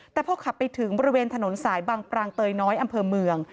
แต่พอขับไปถึงบริเวณถนนสายบังปรางเตยน้อยอำเภอเมือง